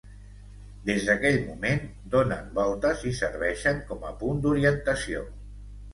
Des d'aquell moment, donen voltes i serveixen com a punt d'orientació.